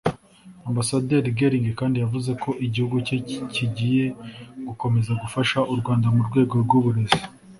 Ambasaderi Gelling kandi yavuze ko igihugu cye kigiye gukomeza gufasha u Rwanda mu rwego rw’uburezi